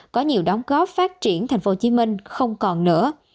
có nhiều đóng góp phát triển tp hcm không còn nữa